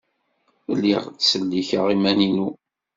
Lliɣ ttsellikeɣ iman-inu.